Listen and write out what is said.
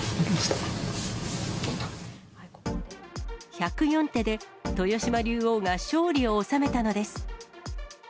１０４手で、豊島竜王が勝利を収めたのです。